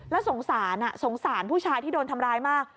แล้วสงสารสงสารผู้ชายที่โดนทำร้ายมาก